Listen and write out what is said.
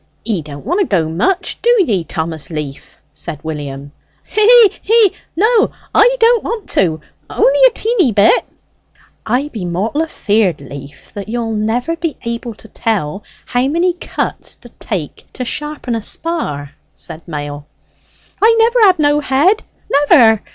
"He don't want to go much; do ye, Thomas Leaf?" said William. "Hee hee! no; I don't want to. Only a teeny bit!" "I be mortal afeard, Leaf, that you'll never be able to tell how many cuts d'take to sharpen a spar," said Mail. "I never had no head, never!